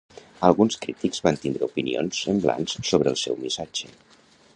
Alguns crítics van tindre opinions semblants sobre el seu missatge.